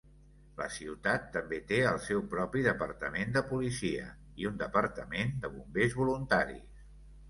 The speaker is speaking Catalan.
La ciutat també té el seu propi Departament de policia i un Departament de bombers voluntaris.